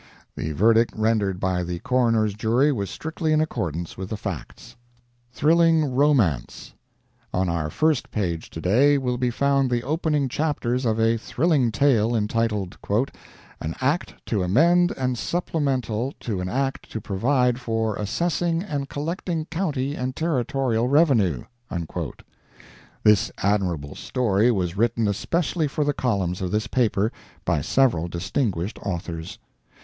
The verdict rendered by the coroner's jury was strictly in accordance with the facts. THRILLING ROMANCE.—On our first page, to day, will be found the opening chapters of a thrilling tale, entitled "An Act to amend and supplemental to an Act to provide for Assessing and Collecting County and Territorial Revenue." This admirable story was written especially for the columns of this paper by several distinguished authors.